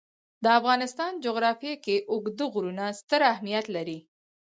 د افغانستان جغرافیه کې اوږده غرونه ستر اهمیت لري.